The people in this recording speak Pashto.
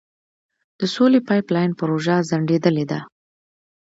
د سولې پایپ لاین پروژه ځنډیدلې ده.